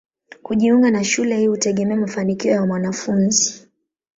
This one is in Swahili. Kujiunga na shule hii hutegemea mafanikio ya mwanafunzi.